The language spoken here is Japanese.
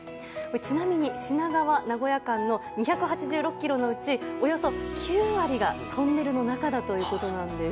ちなみに、品川名古屋間の２８６ｋｍのうちおよそ９割がトンネルの中だということです。